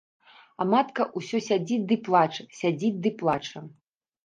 А матка ўсё сядзіць ды плача, сядзіць ды плача.